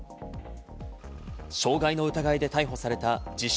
傷害の疑いで逮捕された自称